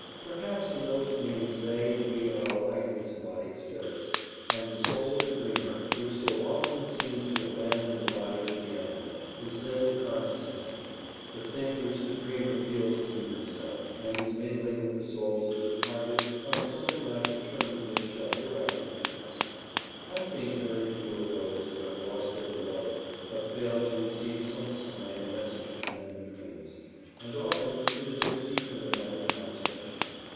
Perhaps in those dreams they and we are alike disembodied spirits, and the soul of the dreamer, which so often seems to abandon the body to the animal, is then the conscious entity, the thing which the dreamer feels to be himself, and is mingling with the souls of the departed on something like the terms which shall hereafter be constant. I think very few of those who have lost their beloved have failed to receive some sign or message from them in dreams, and often it is of deep and abiding consolation.